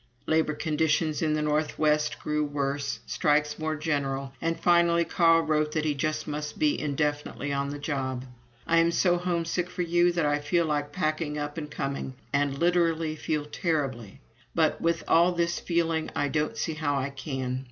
Labor conditions in the Northwest grew worse, strikes more general, and finally Carl wrote that he just must be indefinitely on the job. "I am so home sick for you that I feel like packing up and coming. I literally feel terribly. But with all this feeling I don't see how I can.